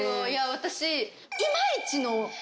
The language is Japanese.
私。